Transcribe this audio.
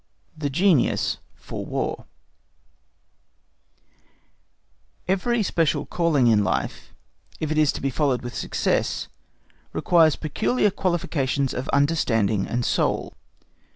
The Genius for War Every special calling in life, if it is to be followed with success, requires peculiar qualifications of understanding and soul.